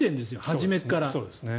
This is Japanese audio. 初めから。